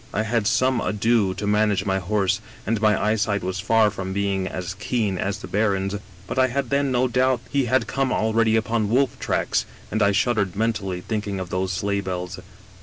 I had some ado to manage my horse, and my eyesight was far from being as keen as the baron's, but I had then no doubt he had come already upon wolf tracks, and I shuddered mentally, thinking of the sleigh bells.